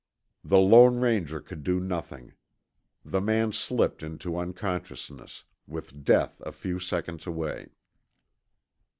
The Lone Ranger could do nothing. The man slipped into unconsciousness, with death a few seconds away.